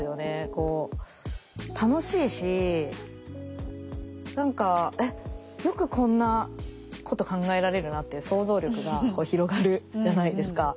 こう楽しいし何か「えっよくこんなこと考えられるな」っていう想像力が広がるじゃないですか。